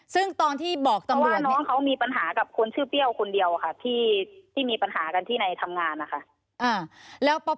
เพราะว่าน้องเค้ามีปัญหากับคนชื่อเปรี้ยวคนเดียวอะค่ะที่มีปัญหากันที่ในทำงานอะค่ะ